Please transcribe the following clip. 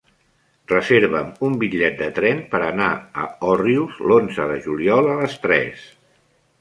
Reserva'm un bitllet de tren per anar a Òrrius l'onze de juliol a les tres.